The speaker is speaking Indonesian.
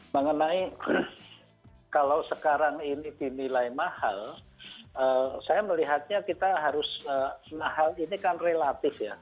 mengenai kalau sekarang ini dinilai mahal saya melihatnya kita harus mahal ini kan relatif ya